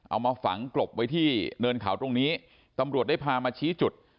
เอามาฝังกลบไว้ที่เนินเขาตรงนี้ตำรวจได้พามาชี้จุด